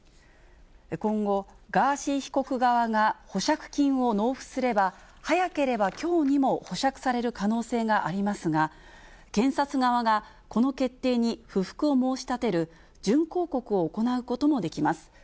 今後、ガーシー被告側が保釈金を納付すれば、早ければきょうにも保釈される可能性がありますが、検察側がこの決定に不服を申し立てる準抗告を行うこともできます。